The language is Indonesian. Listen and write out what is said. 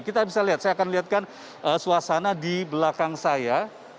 kita bisa lihat saya akan lihatkan suasana di belakang saya